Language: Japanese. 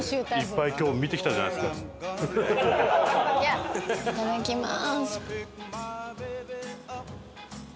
いただきます。